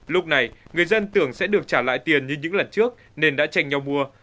lúc này người dân tưởng sẽ được trả lại tiền như những lần trước nên đã tranh nhau mua